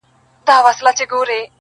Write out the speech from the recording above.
مرګ له خدایه په زاریو ځانته غواړي،